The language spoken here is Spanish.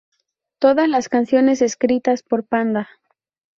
Todas las canciones escritas por Panda.